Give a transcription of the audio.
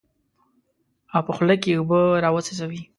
او په خوله کې اوبه راوڅڅوي.